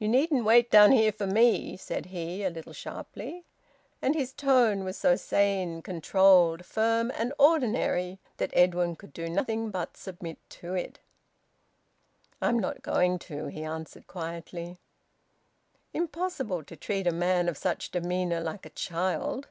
"You needn't wait down here for me," said he, a little sharply. And his tone was so sane, controlled, firm, and ordinary that Edwin could do nothing but submit to it. "I'm not going to," he answered quietly. Impossible to treat a man of such demeanour like a child.